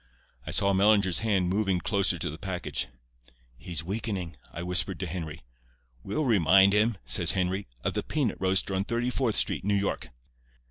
I saw Mellinger's hand moving closer to the package. 'He's weakening,' I whispered to Henry. 'We'll remind him,' says Henry, 'of the peanut roaster on Thirty fourth Street, New York.